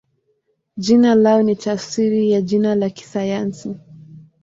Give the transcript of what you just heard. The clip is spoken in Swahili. Jina lao ni tafsiri ya jina la kisayansi.